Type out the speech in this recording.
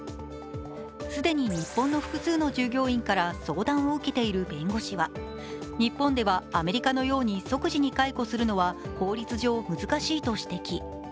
既に日本の複数の従業員から相談を受けている弁護士は日本ではアメリカのように即時に解雇するのは法律上難しいと指摘。